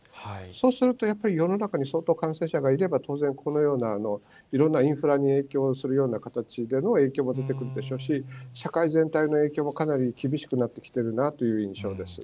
そうするとやっぱり世の中に相当感染者がいれば、当然このようないろんなインフラに影響するような形での影響が出てくるでしょうし、社会全体の影響もかなり厳しくなってきてるなという印象です。